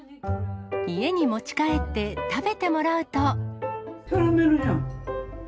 家に持ち帰って、食べてもらうと。